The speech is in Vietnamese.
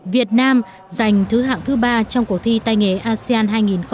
việt nam giành thứ hạng thứ ba trong cuộc thi tài nghề asean hai nghìn một mươi tám